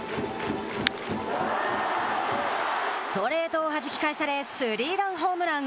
ストレートをはじき返されスリーランホームラン。